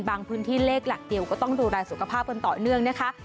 พื้นที่เลขหลักเดียวก็ต้องดูแลสุขภาพกันต่อเนื่องนะคะ